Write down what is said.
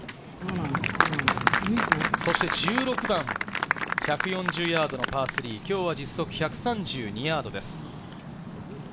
そして１６番、１４０ヤードのパー３、今日は実測１３２ヤードです。